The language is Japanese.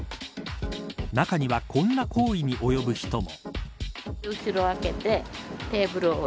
中にはこんな行為に及ぶ人も。